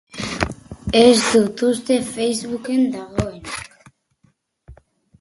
Ez dut uste Facebooken dagoenik.